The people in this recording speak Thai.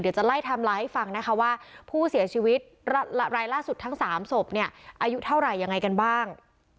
เดี๋ยวจะไล่ไทม์ไลน์ให้ฟังนะคะว่าผู้เสียชีวิตรายล่าสุดทั้ง๓ศพเนี่ยอายุเท่าไหร่ยังไงกันบ้าง